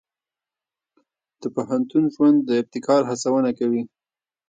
د پوهنتون ژوند د ابتکار هڅونه کوي.